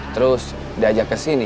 terus diajak kesini